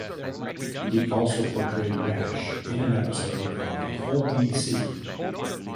He also portrayed Rash in an episode of "Holby City".